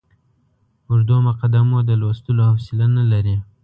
اوږدو مقدمو د لوستلو حوصله نه لري.